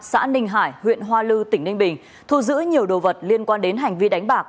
xã ninh hải huyện hoa lư tỉnh ninh bình thu giữ nhiều đồ vật liên quan đến hành vi đánh bạc